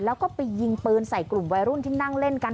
แล้วก็ไปยิงปืนใส่กลุ่มวัยรุ่นที่นั่งเล่นกัน